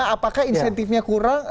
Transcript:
apakah insentifnya kurang